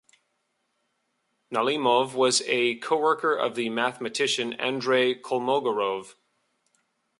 Nalimov was a co-worker of the mathematician Andrey Kolmogorov.